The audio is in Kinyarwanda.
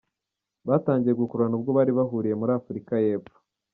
Batangiye gukururana ubwo bari bahuriye muri Afurika y’Epfo.